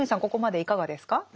ここまでいかがですか？